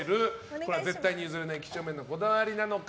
これは絶対に譲れない几帳面なこだわりなのか。